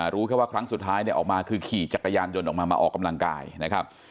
รู้แค่ว่าครั้งสุดท้ายออกมาคือขี่จักรยานยนต์ออกมามาออกกำลังกายนะครับ